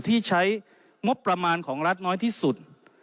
ที่ใช้งบประมาณของรัฐน้อยที่สุด